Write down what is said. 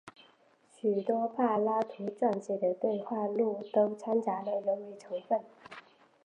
许多柏拉图撰写的对话录都参杂了人为成分。